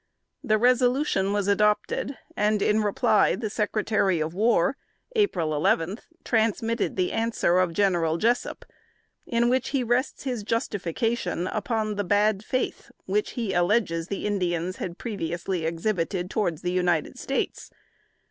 The resolution was adopted, and, in reply, the Secretary of War (April 11) transmitted the answer of General Jessup, in which he rests his justification, upon the bad faith which, he alleges, the Indians had previously exhibited towards the United States.